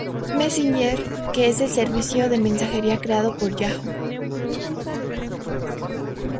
Messenger, que es el servicio de mensajería creado por Yahoo!